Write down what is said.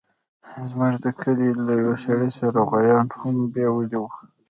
زموږ د کلي له يوه سړي يې غويان هم بيولي وو.